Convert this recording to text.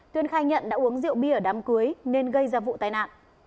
tuyên khai nhận đã uống rượu bia ở đám cưới nên gây ra vụ tai nạn